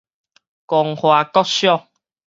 光華國小